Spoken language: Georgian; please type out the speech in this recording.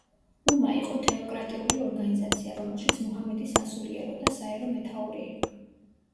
უმა იყო თეოკრატიული ორგანიზაცია, რომელშიც მუჰამედი სასულიერო და საერო მეთაური იყო.